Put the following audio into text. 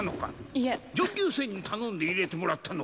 いいえ上級生に頼んで入れてもらったのか？